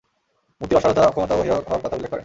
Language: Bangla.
মূর্তির অসারতা, অক্ষমতা ও হেয় হওয়ার কথা উল্লেখ করেন।